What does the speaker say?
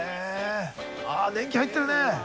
あっ年季入ってるね。